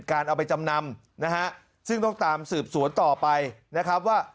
เอาไปจำนำนะฮะซึ่งต้องตามสืบสวนต่อไปนะครับว่า